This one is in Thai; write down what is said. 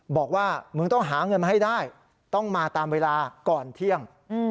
บอกว่ามึงต้องหาเงินมาให้ได้ต้องมาตามเวลาก่อนเที่ยง